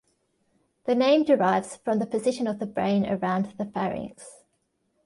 The name derives from the position of the brain around the pharynx.